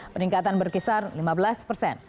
peningkatan berkisar lima belas persen